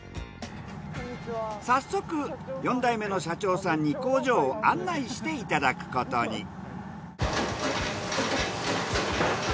早速４代目の社長さんに工場を案内していただくことに。